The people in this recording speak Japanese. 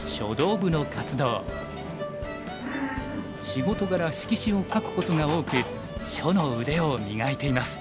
仕事柄色紙を書くことが多く書の腕を磨いています。